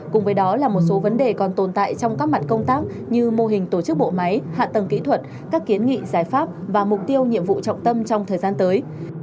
cùng với đó là một số vấn đề còn tồn tại trong các mặt công tác như mô hình tổ chức bộ máy hạ tầng kỹ thuật các kiến nghị giải pháp và mục tiêu nhiệm vụ trọng tâm trong thời gian tới